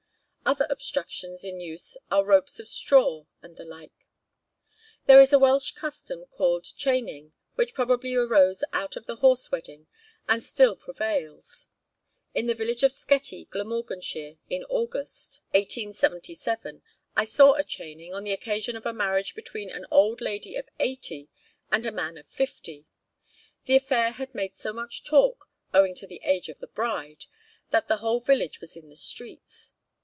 Other obstructions in use are ropes of straw and the like. There is a Welsh custom called Chaining, which probably arose out of the horse wedding, and still prevails. In the village of Sketty, Glamorganshire, in August, 1877, I saw a chaining, on the occasion of a marriage between an old lady of eighty and a man of fifty. The affair had made so much talk, owing to the age of the bride, that the whole village was in the streets.